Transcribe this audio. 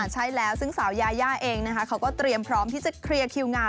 ใช่แล้วซึ่งสาวยายาเองนะคะเขาก็เตรียมพร้อมที่จะเคลียร์คิวงาน